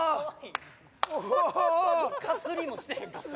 かすりもしてへんかった。